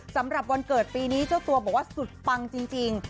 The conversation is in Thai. สำหรับวันเกิดปีนี้เจ้าตัวบอกว่าสุดปังจริง